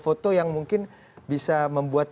foto yang mungkin bisa membuat